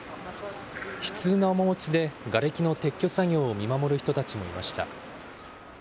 悲痛な面持ちでがれきの撤去作業を見守る人たちもいました。